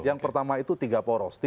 yang pertama itu tiga poros